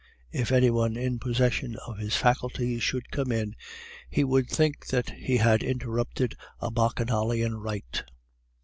If any one in possession of his faculties should come in, he would think that he had interrupted a Bacchanalian rite.